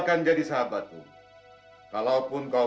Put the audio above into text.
helmu sudah berada di sekitar jalan